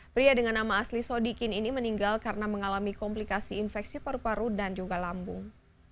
pria dengan nama asli sodikin ini meninggal karena mengalami komplikasi infeksi paru paru dan juga lambung